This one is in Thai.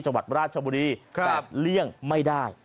จังหวัดราชบุรีแบบเลี่ยงไม่ได้